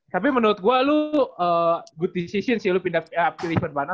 tapi menurut gue lu good decision sih lu pindah ke lihpetbana